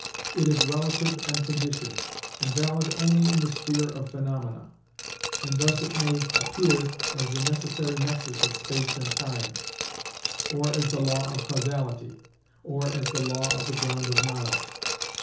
It is relative and conditioned, and valid only in the sphere of phenomena, and thus it may appear as the necessary nexus of space and time, or as the law of causality, or as the law of the ground of knowledge.